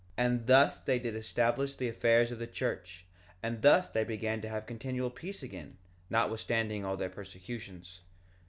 1:28 And thus they did establish the affairs of the church; and thus they began to have continual peace again, notwithstanding all their persecutions.